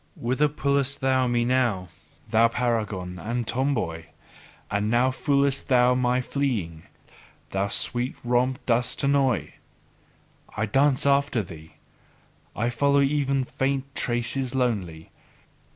Whither pullest thou me now, thou paragon and tomboy? And now foolest thou me fleeing; thou sweet romp dost annoy! I dance after thee, I follow even faint traces lonely.